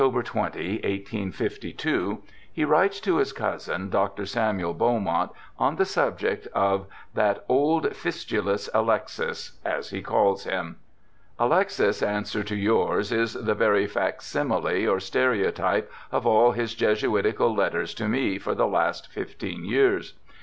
20, 1852, he writes to his cousin, Dr. Samuel Beaumont, on the subject of 'that old, fistulous Alexis', as he calls him. 'Alexis' answer to yours is the very facsimile or stereotype of all his Jesuitical letters to me for the last fifteen years.